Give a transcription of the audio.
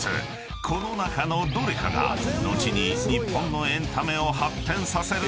［この中のどれかが後に日本のエンタメを発展させるのだが］